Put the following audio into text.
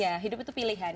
ya hidup itu pilihan